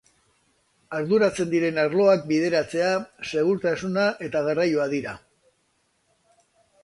Arduratzen diren arloak bideratzea, segurtasuna eta garraioa dira.